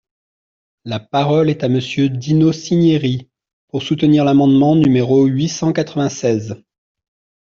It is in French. La parole est à Monsieur Dino Cinieri, pour soutenir l’amendement numéro huit cent quatre-vingt-seize.